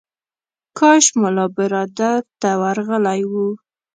کاش ملا برادر ته ورغلی و.